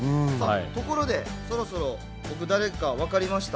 ところでそろそろ僕が誰かわかりました？